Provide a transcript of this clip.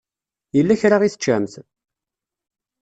Yella kra i teččamt?